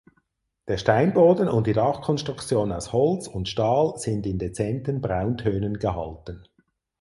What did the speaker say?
Der Steinboden und die Dachkonstruktion aus Holz und Stahl sind in dezenten Brauntönen gehalten.